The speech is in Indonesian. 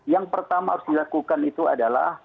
yang pertama harus dilakukan itu adalah